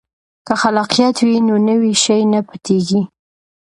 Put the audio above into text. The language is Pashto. که خلاقیت وي نو نوی شی نه پټیږي.